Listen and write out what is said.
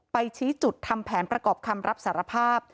ชี้จุดทำแผนประกอบคำรับสารภาพ